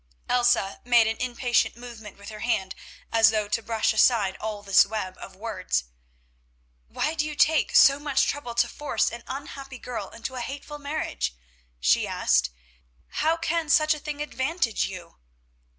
Elsa made an impatient movement with her hand, as though to brush aside all this web of words. "Why do you take so much trouble to force an unhappy girl into a hateful marriage?" she asked. "How can such a thing advantage you?"